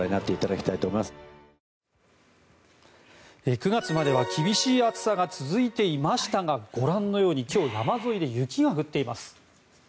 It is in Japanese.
９月までは厳しい暑さが続いていましたがご覧のように、今日山沿いで雪が降っています。